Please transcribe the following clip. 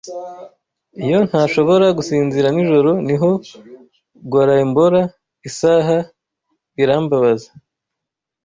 Iyo ntashobora gusinzira nijoro niho gualainbora isaha birambabaza.